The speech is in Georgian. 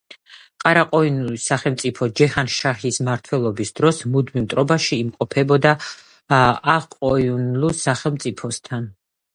ყარა-ყოიუნლუს სახელმწიფო ჯეჰან-შაჰის მმართველობის დროს მუდმივ მტრობაში იმყოფებოდა აყ-ყოიუნლუს სახელმწიფოსთან.